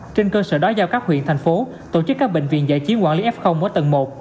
trên cơ sở đó giao các huyện thành phố tổ chức các bệnh viện giải chiến quản lý f ở tầng một